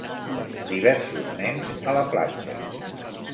Diversos nens a la platja.